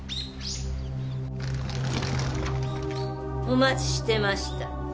お待ちしてました。